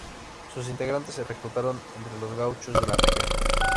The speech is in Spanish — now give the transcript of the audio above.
Sus integrantes se reclutaron entre los gauchos de la región.